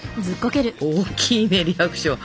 大きいねリアクション。